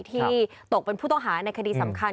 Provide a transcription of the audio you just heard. ที่ตกเป็นผู้ต้องหาในคดีสำคัญ